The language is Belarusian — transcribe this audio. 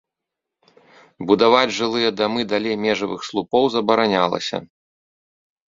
Будаваць жылыя дамы далей межавых слупоў забаранялася.